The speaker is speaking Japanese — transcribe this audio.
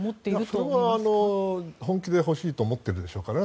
それは本気で欲しいと思っているでしょうから。